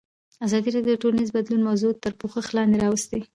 ازادي راډیو د ټولنیز بدلون موضوع تر پوښښ لاندې راوستې.